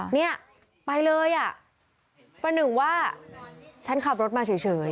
เนี่ยไปเลยอ่ะประหนึ่งว่าฉันขับรถมาเฉย